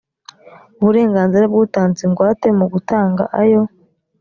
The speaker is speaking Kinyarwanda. uburenganzira bw’utanze ingwate mu gutanga ayo